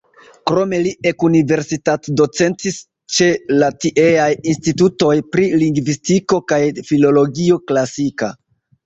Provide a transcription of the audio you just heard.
Krome li ekuniversitatdocentis ĉe la tieaj institutoj pri lingvistiko kaj filologio klasika.